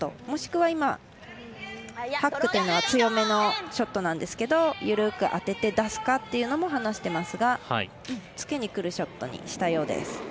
もしくは今、ハックというのは強めのショットなんですが緩く当てて出すかというのも話していますが、つけにくるショットにしたようです。